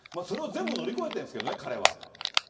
それを全部乗り越えてんですけどね、彼は。